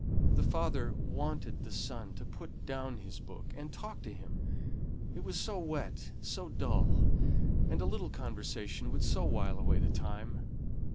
The father wanted the son to put down his book, and talk to him: it was so wet, so dull, and a little conversation would so wile away the time!